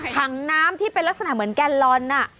ถังน้ำที่เป็นลักษณะเหมือนแกนลอน